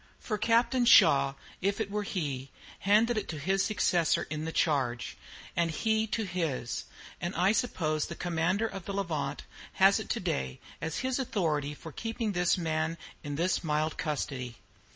For Captain Shaw, if it were he, handed it to his successor in the charge, and he to his, and I suppose the commander of the "Levant" has it to day as his authority for keeping this man in this mild custody.